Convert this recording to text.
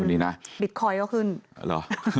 วันนี้น่ะดิตคอยก็ขึ้นหรอ